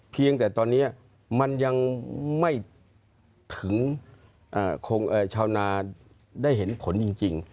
เพียงแต่ตอนนี้มันยังไม่ถึงชาวนาได้เห็นผลจริง